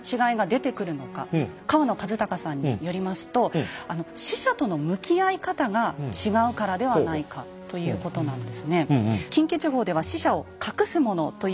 河野一隆さんによりますと死者との向き合い方が違うからではないかということなんですね。